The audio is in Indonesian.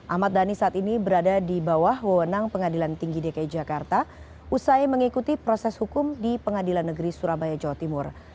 ahmad dhani saat ini berada di bawah wewenang pengadilan tinggi dki jakarta usai mengikuti proses hukum di pengadilan negeri surabaya jawa timur